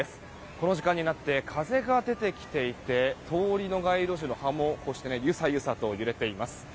この時間になって風が出てきていて通りの街路樹の葉もゆさゆさと揺れています。